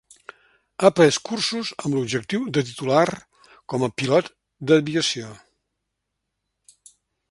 Ha pres cursos amb l'objectiu de titular com a pilot d'aviació.